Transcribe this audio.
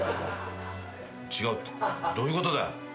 違うってどういうことだよ。